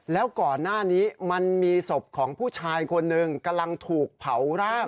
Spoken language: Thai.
แล้วก่อนหน้านี้มันมีศพของผู้ชายคนหนึ่งกำลังถูกเผาร่าง